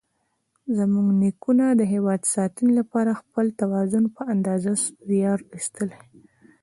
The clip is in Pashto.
زموږ نیکونو د هېواد ساتنې لپاره خپل توان په اندازه زیار ایستلی.